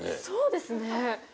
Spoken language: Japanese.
そうですね。